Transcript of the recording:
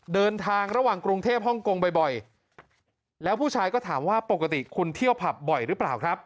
เดินทางระหว่างกรุงเทพฮ่องกงบ่อยแล้วผู้ชายก็ถามว่าปกติคุณเที่ยวผับบ่อยหรือเปล่าครับ